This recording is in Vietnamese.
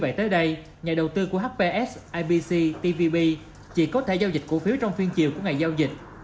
vậy tới đây nhà đầu tư của hps ipc tvb chỉ có thể giao dịch cổ phiếu trong phiên chiều của ngày giao dịch